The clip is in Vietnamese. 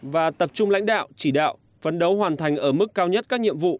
và tập trung lãnh đạo chỉ đạo phấn đấu hoàn thành ở mức cao nhất các nhiệm vụ